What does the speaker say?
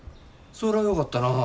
そらよかったな。